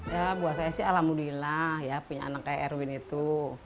ya buat saya sih alhamdulillah ya punya anak kayak erwin itu